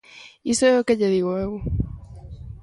Iso é o que lle digo eu.